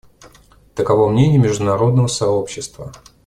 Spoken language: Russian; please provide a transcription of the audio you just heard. Таково мнение международного сообщества.